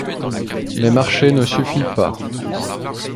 Mais marcher ne suffit pas.